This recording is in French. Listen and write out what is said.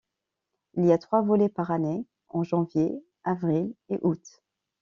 Il y a trois volées par année, en janvier, avril et août.